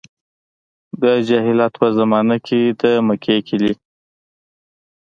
د جاهلیت په زمانه کې د مکې کیلي.